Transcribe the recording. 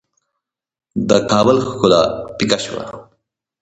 د کابل ښکلا پیکه شوه.